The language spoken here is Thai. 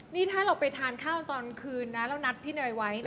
นี่ถ้าเราไปทานข้าวตอนคืนนะเรานัดพี่เนยไว้นะ